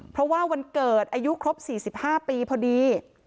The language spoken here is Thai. เพราะว่าวันเกิดอายุครบ๔๕ปีพอดี